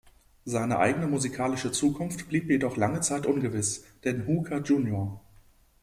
Seine eigene musikalische Zukunft blieb jedoch lange Zeit ungewiss, denn Hooker Jr.